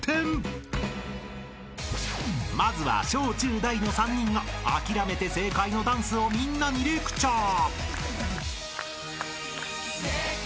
［まずは小中大の３人が『諦めて正解』のダンスをみんなにレクチャー］